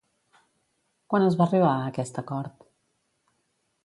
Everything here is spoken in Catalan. Quan es va arribar a aquest acord?